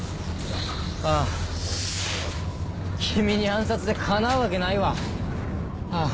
ああ君に暗殺でかなうわけないわハァ